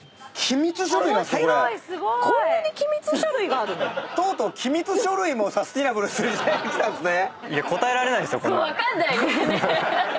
こんなに機密書類があるの⁉とうとう機密書類もサスティナブルする時代が来たんすね！